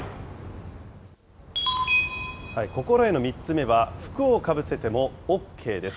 心得の３つ目は、服をかぶせてもＯＫです。